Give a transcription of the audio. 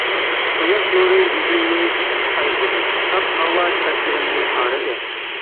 قۇياش نۇرى يۈزۈمنى چايقىدى، ساپ ھاۋا چاچلىرىمنى تارىدى.